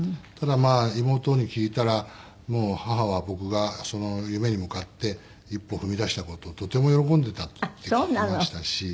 ただまあ妹に聞いたら母は僕が夢に向かって一歩踏み出した事をとても喜んでたって聞きましたし。